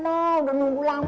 udah nunggu lama